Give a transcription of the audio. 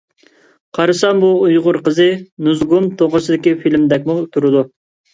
قارىسام بۇ ئۇيغۇر قىزى نۇزۇگۇم توغرىسىدىكى فىلىمدەكمۇ تۇرىدۇ.